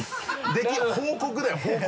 報告だよ報告。